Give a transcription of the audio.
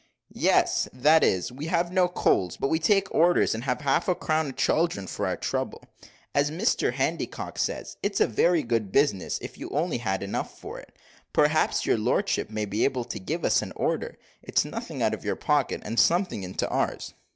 "Yes; that is, we have no coals, but we take orders, and have half a crown a chaldron for our trouble. As Mr Handycock says, it's a very good business, if you only had enough for it. Perhaps your lordship may be able to give us an order. It's nothing out of your pocket, and something into ours."